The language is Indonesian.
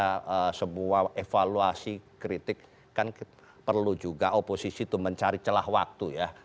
ada sebuah evaluasi kritik kan perlu juga oposisi itu mencari celah waktu ya